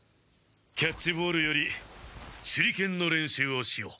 キャッチボールより手裏剣の練習をしよう。